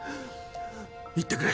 言ってくれ。